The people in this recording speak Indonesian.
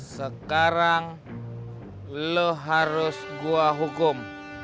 sekarang lo harus gue hukum